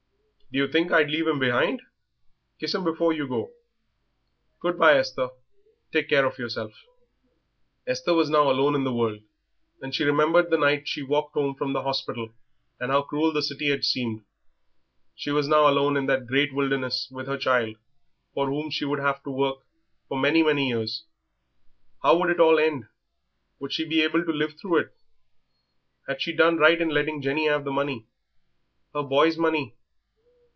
"Do you think I'd leave him behind? Kiss 'im before you go." "Good bye, Esther; take care of yourself." Esther was now alone in the world, and she remembered the night she walked home from the hospital and how cruel the city had seemed. She was now alone in that great wilderness with her child, for whom she would have to work for many, many years. How would it all end? Would she be able to live through it? Had she done right in letting Jenny have the money her boy's money?